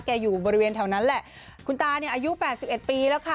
อยู่บริเวณแถวนั้นแหละคุณตาเนี่ยอายุแปดสิบเอ็ดปีแล้วค่ะ